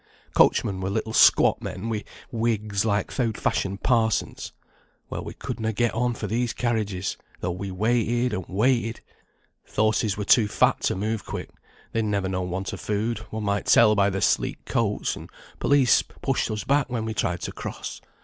Coachmen were little squat men, wi' wigs like th' oud fashioned parsons. Well, we could na get on for these carriages, though we waited and waited. Th' horses were too fat to move quick; they'n never known want o' food, one might tell by their sleek coats; and police pushed us back when we tried to cross.